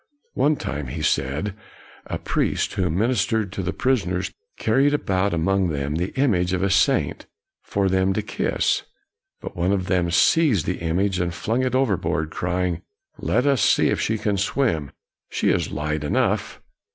One time, he said, a priest who min istered to the prisoners carried about among them the image of a saint for them to kiss, but one of them seized the image and flung it overboard, crying, " Let us see if she can swim: she is light enough!